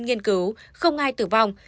nghiên cứu không ai tử vong